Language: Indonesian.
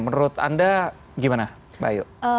menurut anda gimana mbak ayu